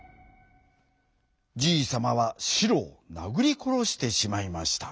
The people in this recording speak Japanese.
じいさまはシロをなぐりころしてしまいました。